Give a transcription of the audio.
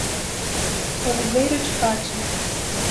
Oliveira de Fátima